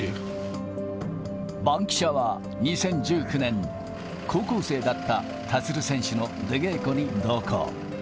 バンキシャは、２０１９年、高校生だった立選手の出稽古に同行。